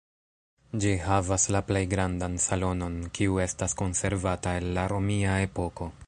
Ĝi havas la plej grandan salonon, kiu estas konservata el la romia epoko.